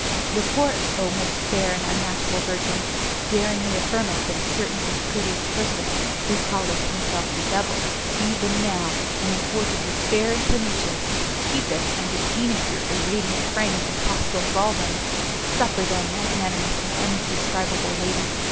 "Report, O most fair and unmatchable virgin! daringly affirmeth that a certain discourteous person, who calleth himself the devil, even now, and in thwart of your fair inclinations, keepeth and detaineth your irradiant frame in hostile thraldom. Suffer then, magnanimous and undescribable lady!